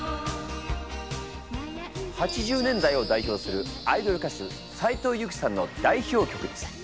８０年代を代表するアイドル歌手斉藤由貴さんの代表曲です。